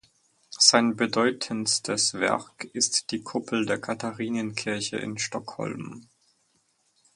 Sein bedeutendstes Werk ist die Kuppel der Katharinenkirche in Stockholm.